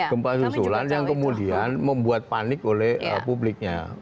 gempa susulan yang kemudian membuat panik oleh publiknya